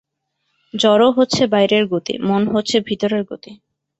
জড় হচ্ছে বাইরের গতি, মন হচ্ছে ভিতরের গতি।